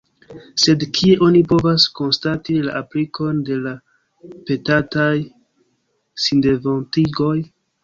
Sed kie oni povas konstati la aplikon de la petataj sindevontigoj?